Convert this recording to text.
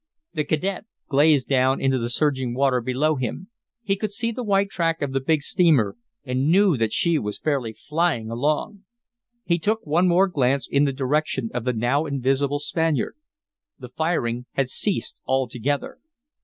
The cadet gazed down into the surging water below him; he could see the white track of the big steamer and knew that she was fairly flying along. He took one more glance in the direction of the now invisible Spaniard. The firing had ceased altogether.